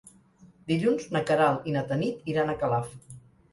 Dilluns na Queralt i na Tanit iran a Calaf.